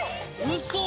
うそ